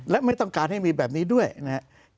และไม่ต้องการให้มีแบบนี้ด้วยนะครับ